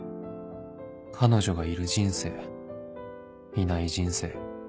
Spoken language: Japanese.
彼女がいる人生いない人生